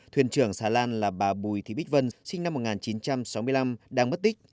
thuyền trưởng xà lan là bà bùi thị bích vân sinh năm một nghìn chín trăm sáu mươi năm đang mất tích